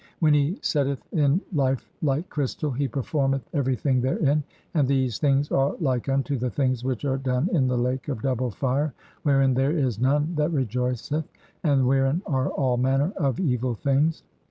When [he] setteth "in life like crystal he performeth everything therein, and these "things are like unto the things which are done in the Lake "of double Fire, wherein there is none that rejoiceth, and wherein "are all manner of (18) evil things.